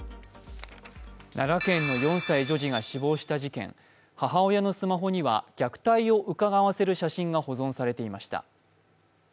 奈良県の４歳女児が死亡した事件、母親のスマホには虐待をうかがわせる写真が保存されていました。